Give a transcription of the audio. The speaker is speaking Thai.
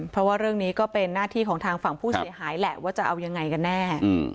เพราะว่าเรื่องนี้ก็เป็นหน้าที่ของทางฝั่งผู้เสียหายแหละว่าจะเอายังไงกันแน่